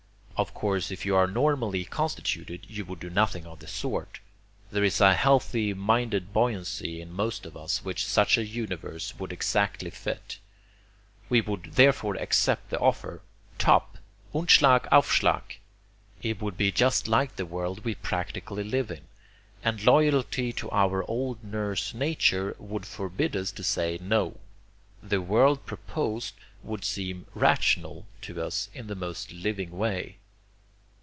Of course if you are normally constituted, you would do nothing of the sort. There is a healthy minded buoyancy in most of us which such a universe would exactly fit. We would therefore accept the offer "Top! und schlag auf schlag!" It would be just like the world we practically live in; and loyalty to our old nurse Nature would forbid us to say no. The world proposed would seem 'rational' to us in the most living way.